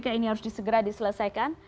kpk ini harus diselesaikan